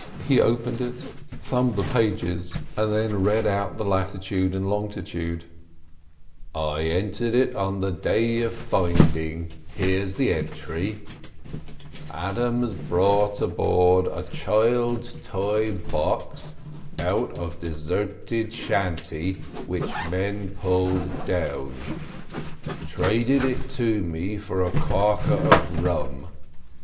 He opened it, thumbed the pages, and then read out the latitude and longitude. "I entered it on the day of finding—here's the entry. 'Adams brought aboard child's toy box out of deserted shanty, which men pulled down; traded it to me for a caulker of rum.